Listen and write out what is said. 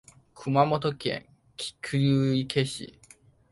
熊本県菊池市